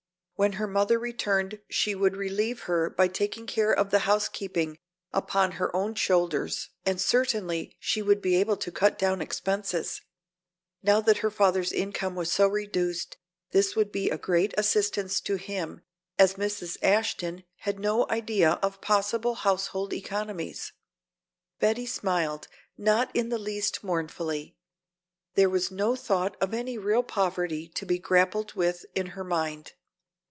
When her mother returned she would relieve her by taking the care of the housekeeping upon her own shoulders and certainly she would be able to cut down expenses. Now that her father's income was so reduced, this would be a great assistance to him, as Mrs. Ashton had no idea of possible household economies. Betty smiled, not in the least mournfully. There was no thought of any real poverty to be grappled with in her mind.